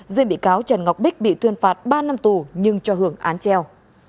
riêng bị cáo trần ngọc bích bị tuyên phạt ba năm tù nhưng cho hưởng án treo